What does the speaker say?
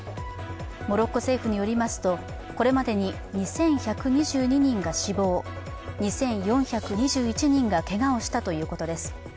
モロッコ政府によりますとこれまでに２１２２人が死亡、２４２１人がけがをしたということです。